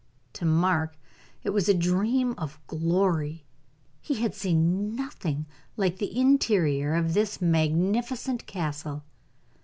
To Mark it was a dream of glory; he had seen nothing like the interior of this magnificent castle.